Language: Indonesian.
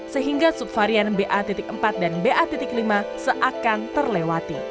sehingga subvarian ba empat dan ba lima seakan terlewati